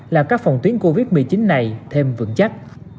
làm cách phòng tuyến covid một mươi chín này thêm vững chắc